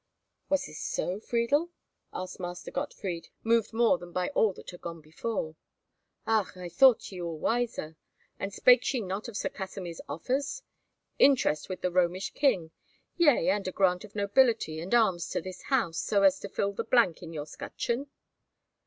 "Was this so, Friedel?" asked Master Gottfried, moved more than by all that had gone before. "Ach, I thought ye all wiser. And spake she not of Sir Kasimir's offers?—Interest with the Romish king?—Yea, and a grant of nobility and arms to this house, so as to fill the blank in your scutcheon?"